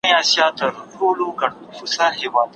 بیا د ټولو په حیرانتیا آس ناڅاپه چوپ او غلی شو.